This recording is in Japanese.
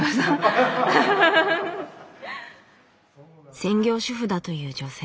専業主婦だという女性。